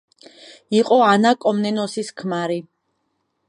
იყო ანა კომნენოსის ქმარი.